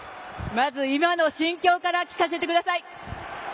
まず今の心境から聞かせてください。